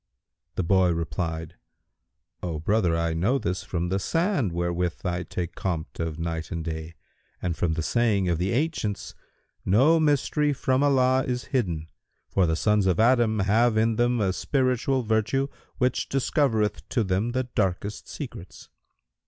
The boy replied, "O brother, I know this from the sand[FN#170] wherewith I take compt of night and day and from the saying of the ancients, 'No mystery from Allah is hidden; for the sons of Adam have in them a spiritual virtue which discovereth to them the darkest secrets.'"